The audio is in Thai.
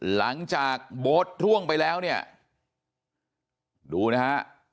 หลังจากโบสต์ล่วงไปแล้วเนี่ยดูนะฮะ